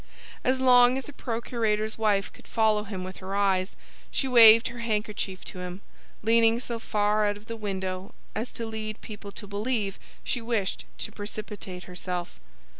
As long as the procurator's wife could follow him with her eyes, she waved her handkerchief to him, leaning so far out of the window as to lead people to believe she wished to precipitate herself.